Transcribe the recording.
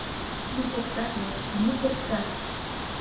Ну поктат вет, ну поктат: